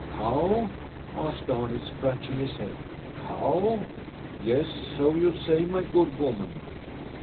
Cow? asked Arni, scratching his head. Cow? Yes, so you say, my good woman.